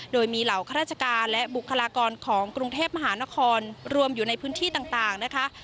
โดยมีเหล่าข้าราชการและบุคลากรของกรุงเทพมหานครรวมอยู่ในพื้นที่ต่างนะคะ